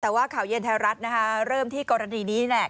แต่ว่าข่าวเย็นไทยรัฐนะคะเริ่มที่กรณีนี้แหละ